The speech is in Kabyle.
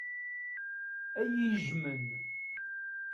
Ad iyi-jjmen.